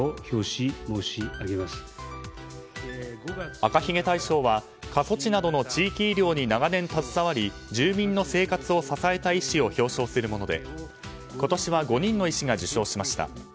赤ひげ大賞は、過疎地などの地域医療に長年携わり住民の生活を支えた医師を表彰するもので今年は５人の医師が受賞しました。